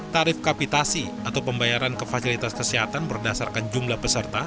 tarif kapitasi atau pembayaran ke fasilitas kesehatan berdasarkan jumlah peserta